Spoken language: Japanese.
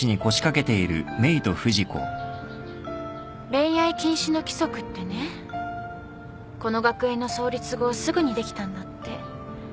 恋愛禁止の規則ってねこの学園の創立後すぐにできたんだって。